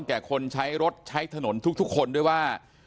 คนใช้รถใช้ถนนทุกคนด้วยว่า